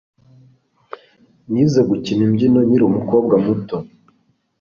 Nize gukina imbyino nkiri umukobwa muto.